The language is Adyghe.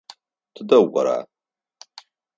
Тыдэ укӏора?